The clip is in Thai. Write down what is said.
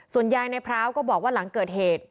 ส่วนยายในพร้าวก็บอกว่าหลังเกิดเหตุ